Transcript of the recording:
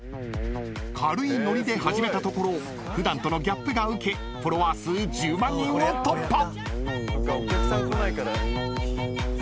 ［軽いノリで始めたところ普段とのギャップがウケフォロワー数１０万人を突破！］